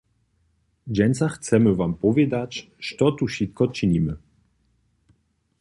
Dźensa chcemy wam powědać, što tu wšitko činimy.